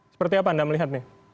seperti apa anda melihat nih